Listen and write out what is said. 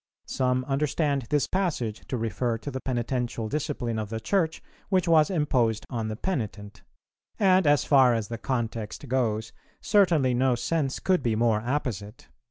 Some understand this passage to refer to the penitential discipline of the Church which was imposed on the penitent; and, as far as the context goes, certainly no sense could be more apposite.